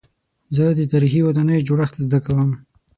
زه د تاریخي ودانیو جوړښت زده کوم.